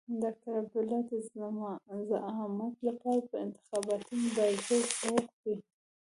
ډاکټر عبدالله د زعامت لپاره په انتخاباتي مبارزه بوخت دی.